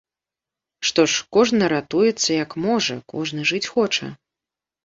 Што ж, кожны ратуецца, як можа, кожны жыць хоча.